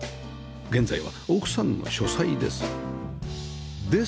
現在は奥さんの書斎です